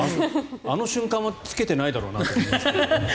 あの瞬間はつけてないと思いますけど。